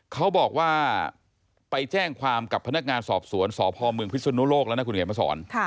เขาบอกว่าไปแจ้งความกับพนักงานสอบสวนสพเมืองพิศนุโลกแล้วนะคุณเขียนมาสอน